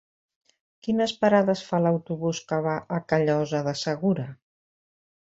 Quines parades fa l'autobús que va a Callosa de Segura?